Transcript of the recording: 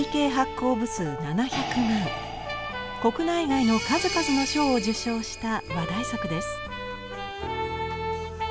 国内外の数々の賞を受賞した話題作です。